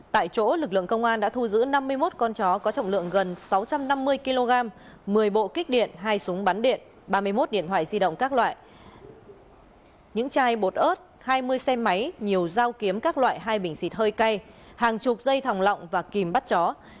tại chỗ lực lượng công an đã thu giữ năm mươi một con chó có trọng lượng gần sáu trăm năm mươi kg một mươi bộ kích điện hai súng bắn điện ba mươi một điện thoại di động các loại những chai bột ớt hai mươi xe máy nhiều dao kiếm các loại hai bình xịt hơi cay hàng chục dây thòng lọng và kìm bắt chó